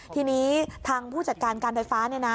ทีนี้ทางผู้จัดการการไฟฟ้าเนี่ยนะ